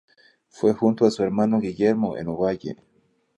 Fue junto a su hermano Guillermo en Ovalle.